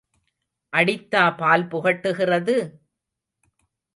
அடித்தா பால் புகட்டுகிறது?